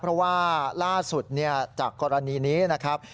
เพราะว่าล่าสุดจากกรณีนี้นะครับ